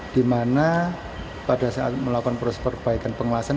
di mana pada saat melakukan proses perbaikan pengelasan